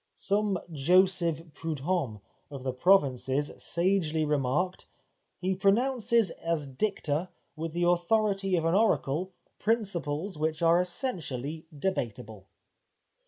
Some Joseph Prud'homme of the provinces sagely remarked : "He pronounces as dicta, with the authority of an oracle, principles which are essentially debateable."